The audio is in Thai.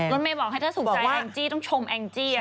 น้องเมบอกให้เธอถูกใจแองจี้ต้องชมแองจี้ค่ะ